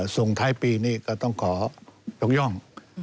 ส่งท้ายปีนี้ก็ต้องขอยกย่อง